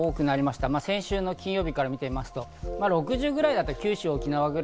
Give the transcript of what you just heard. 先週の金曜日から見てみますと、６０ぐらいだった。